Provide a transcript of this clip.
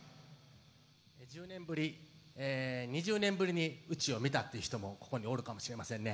２０年ぶりにうちを見たという人もここにおるかもしれませんね。